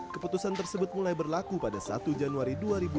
keputusan tersebut mulai berlaku pada satu januari dua ribu dua puluh